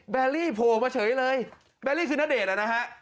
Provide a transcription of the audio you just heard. แอรี่โผล่มาเฉยเลยแบรี่คือณเดชน์นะฮะ